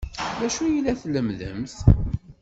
D acu ay la tlemmdemt?